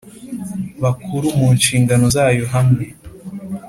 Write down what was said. Bakuru mu nshingano zayo hamwe